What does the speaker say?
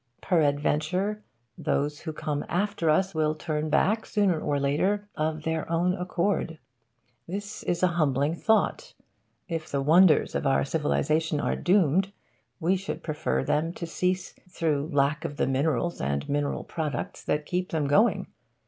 peradventure, those who come after us will turn back, sooner or later, of their own accord. This is a humbling thought. If the wonders of our civilisation are doomed, we should prefer them to cease through lack of the minerals and mineral products that keep them going.